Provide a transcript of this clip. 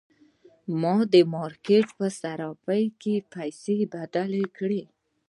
ما د مارکیټ په صرافۍ کې پیسې بدلې کړې.